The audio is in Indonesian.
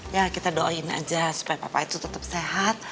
ya kita doain aja supaya papa itu tetap sehat